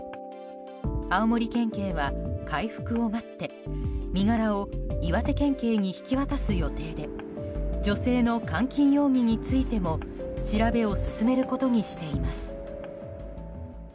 青森県警は回復を待って身柄を岩手県警に引き渡す予定で女性の監禁容疑についても調べを進めることにしています。